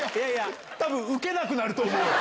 たぶん、ウケなくなると思うよ。